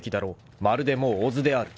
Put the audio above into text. ［まるでもう小津である］